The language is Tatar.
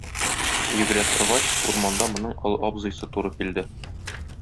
Йөгерә торгач, урманда моның олы абзыйсы туры килде.